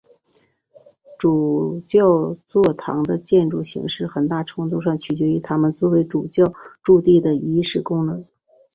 主教座堂的建筑形式很大程度上取决于它们作为主教驻地的仪式功能。